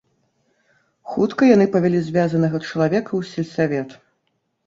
Хутка яны павялі звязанага чалавека ў сельсавет.